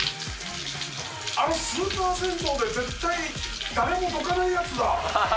スーパー銭湯で絶対誰もどかないやつだ。